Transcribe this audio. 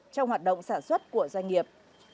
trong hoạt động sản xuất của doanh nghiệp